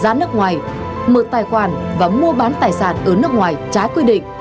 ra nước ngoài mở tài khoản và mua bán tài sản ở nước ngoài trái quy định